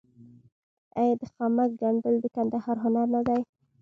آیا د خامک ګنډل د کندهار هنر نه دی؟